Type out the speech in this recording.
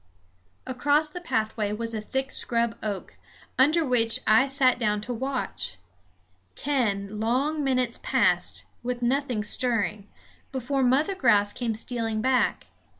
Across the pathway was a thick scrub oak, under which I sat down to watch. Ten long minutes passed, with nothing stirring, before Mother Grouse came stealing back.